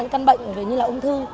căn bệnh như là ung thư